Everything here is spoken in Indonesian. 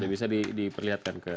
bisa diperlihatkan ke